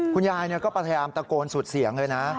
คุณยายก็พยายามตะโกนสุดเสียงเลยนะ